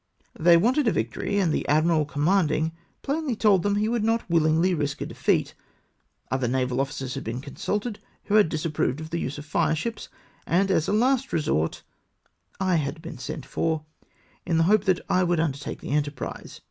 They wanted a victory, and the admiral commanding plainly told them he would not wilhngly risk a defeat. Other naval ofiicers had been consulted, who had disapproved of the use of fire ships, and, as a last resource, I had been sent for, in the hope that I would undertake the enterprise.